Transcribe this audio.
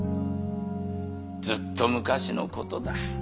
ずっと昔の事だ。